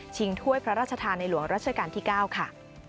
ถ้วยพระราชทานในหลวงรัชกาลที่๙ค่ะ